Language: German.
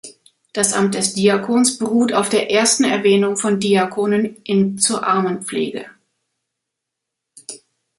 Das Amt des Diakons beruht auf der ersten Erwähnung von Diakonen in zur Armenpflege.